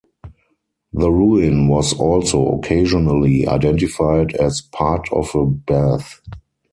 The ruin was also occasionally identified as "part of a bath".